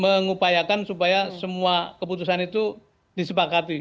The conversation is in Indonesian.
mengupayakan supaya semua keputusan itu disepakati